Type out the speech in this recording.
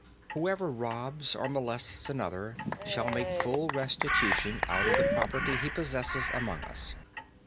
Whoever robs or molests another shall make full restitution out of the property he possesses among us.